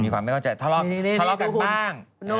ทะเลาะกันบ้าง